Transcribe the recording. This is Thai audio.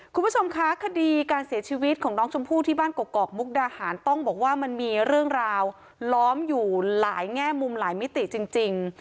คุณผู้ชมคะคดีการเสียชีวิตของน้องชมพู่ที่บ้านกกอกมุกดาหารต้องบอกว่ามันมีเรื่องราวล้อมอยู่หลายแง่มุมหลายมิติจริง